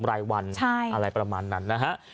รายวันอะไรประมาณนั้นนะฮะ